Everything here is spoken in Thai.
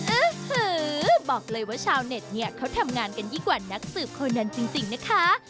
อื้อหือบอกเลยว่าชาวเน็ตเนี่ยเขาทำงานกันยิ่งกว่านักสืบคนนั้นจริงนะคะ